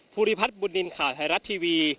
ภูริพัฒน์บุญนินทร์ข่าวไทยรัฐทีวี